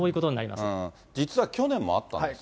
実は去年もあったんですって。